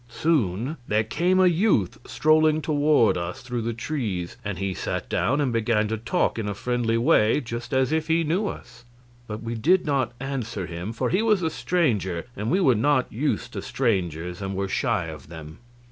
Soon there came a youth strolling toward us through the trees, and he sat down and began to talk in a friendly way, just as if he knew us. But we did not answer him, for he was a stranger and we were not used to strangers and were shy of them.